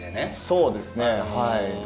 そうですねはい。